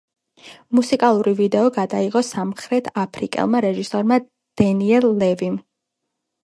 მუსიკალური ვიდეო გადაიღო სამხრეთაფრიკელმა რეჟისორმა დენიელ ლევიმ.